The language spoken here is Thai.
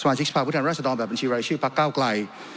สมาชิกสภาพวุทธรรมราชดรแบบบัญชีรายชื่อปรักษ์เก้าไกล